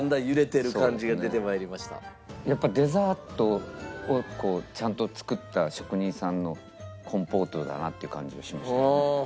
やっぱデザートをちゃんと作った職人さんのコンポートだなっていう感じはしましたよね。